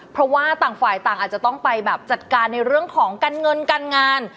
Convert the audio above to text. เพราะว่าต่างฝ่ายต่างอาจจะต้องไปแบบจัดการในเรื่องของการเงินการงาน